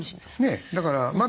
ねえだからまだ。